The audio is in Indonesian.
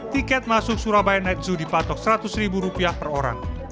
tiket masuk surabaya night zoo dipatok seratus ribu rupiah per orang